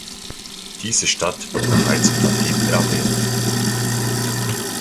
Diese Stadt wird bereits in der Bibel erwähnt.